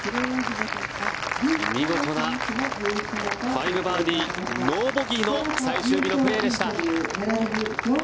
見事な５バーディー、ノーボギーの最終日のプレーでした。